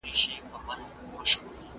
سوله د جګړې بدیل دی.